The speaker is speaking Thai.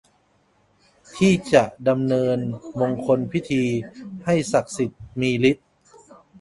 ที่จะดำเนินมงคลพิธีให้ศักดิ์สิทธิ์มีฤทธิ์